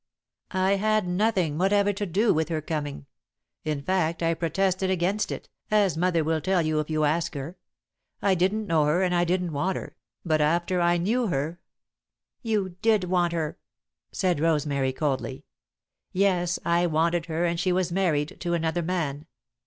"I had nothing whatever to do with her coming, in fact, I protested against it, as mother will tell you if you ask her. I didn't know her, and I didn't want her, but after I knew her " [Sidenote: Alden Was Glad] "You did want her," said Rosemary, coldly. "Yes, I wanted her, and she was married to another man.